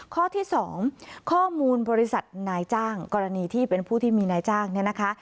ข้อที่๒ข้อมูลบริษัทนายจ้างกรณีที่เป็นผู้ที่มีนายจ้างเนี่ยนะคะ